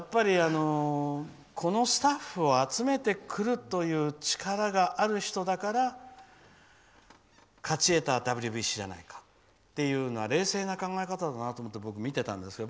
このスタッフを集めるという力がある人だから勝ち得たＷＢＣじゃないかっていうのは冷静な考え方だなと思って僕、見てたんですけど。